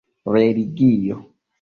religio